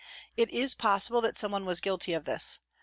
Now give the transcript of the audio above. It is possible that someone was guilty of this.